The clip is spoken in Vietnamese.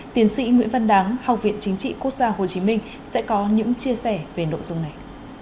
tiến sĩ nguyễn văn đáng học viện chính trị quốc gia hồ chí minh sẽ có những chia sẻ về nội dung này